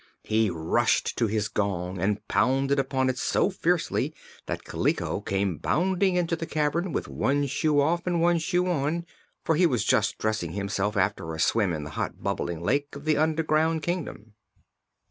He rushed to his gong and pounded upon it so fiercely that Kaliko came bounding into the cavern with one shoe off and one shoe on, for he was just dressing himself after a swim in the hot bubbling lake of the Underground Kingdom.